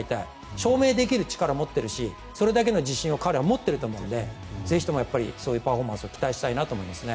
証明できる力を持っているしそれだけの自信を彼は持っていると思うのでぜひとも、そういうパフォーマンスを期待したいです。